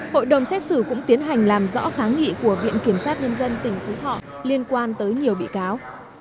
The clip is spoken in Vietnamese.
hội đồng xét xử cũng tiến hành làm rõ kháng nghị của viện kiểm sát nhân dân tỉnh phú thọ liên quan tới nhiều bị cáo